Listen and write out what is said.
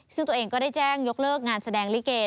ซึ่งตัวเองก็ได้แจ้งยกเลิกงานแสดงลิเก